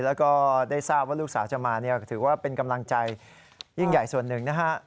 แล้วก็ได้ทราบว่าลูกสาวจะมาเนี่ยก็ถือว่าเป็นกำลังใจยิ่งใหญ่ส่วนหนึ่งนะฮะ